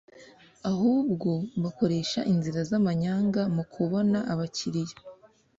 ahubwo “bakoresha inzira z’amanyanga mu kubona abakiliya